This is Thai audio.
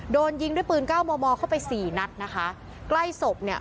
โดนยิงด้วยปืนเก้ามอมอเข้าไปสี่นัดนะคะใกล้ศพเนี่ย